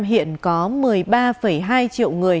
hiện có một mươi ba hai triệu người